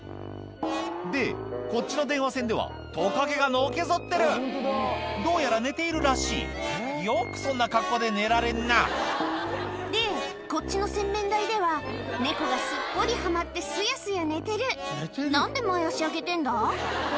でこっちの電話線ではトカゲがのけ反ってるどうやら寝ているらしいよくそんな格好で寝られるなでこっちの洗面台では猫がすっぽりはまってすやすや寝てる何で前足上げてんだ？